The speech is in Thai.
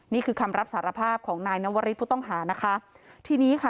นี่คือคำรับสารภาพของนายนวริสผู้ต้องหานะคะทีนี้ค่ะ